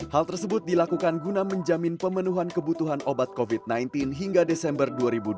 hal tersebut dilakukan guna menjamin pemenuhan kebutuhan obat covid sembilan belas hingga desember dua ribu dua puluh